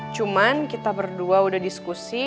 cuman kita berdua udah diskusi